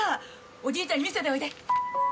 おじいちゃんに見せておいで。